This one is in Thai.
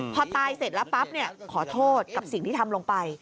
พอตายเสร็จแล้วปั๊บขอโทษกับสิ่งที่ทำลงไป